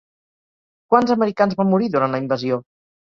Quants americans van morir durant la invasió?